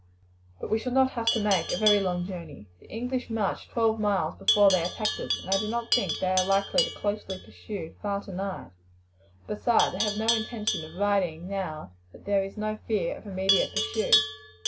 But we shall not have to make a very long journey. The English marched twelve miles before they attacked us, and I do not think they are likely to closely pursue far tonight; besides, I have no intention of riding now that there is no fear of immediate pursuit.